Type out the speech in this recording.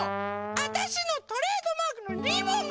わたしのトレードマークのリボンがない！